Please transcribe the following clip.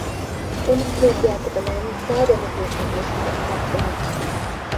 ئۇنىڭ كەيپىياتى بىلەن زادىلا ھېسابلىشىپ باقماپتىمەن.